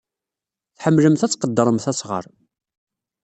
Tḥemmlemt ad tqeddremt asɣar.